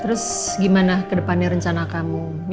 terus gimana kedepannya rencana kamu